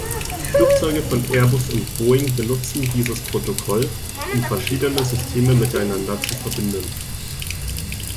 Flugzeuge von Airbus und Boeing benutzen dieses Protokoll, um verschiedene Systeme miteinander zu verbinden.